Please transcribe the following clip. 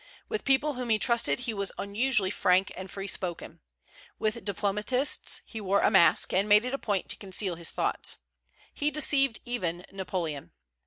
With people whom he trusted he was unusually frank and free spoken. With diplomatists he wore a mask, and made it a point to conceal his thoughts. He deceived even Napoleon.